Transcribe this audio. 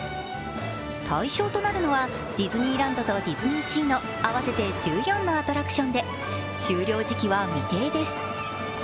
対象となるのは、ディズニーランドとディズニーシーの合わせて１４のアトラクションで終了時期は未定です。